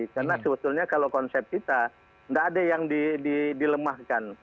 karena sebetulnya kalau konsep kita tidak ada yang dilemahkan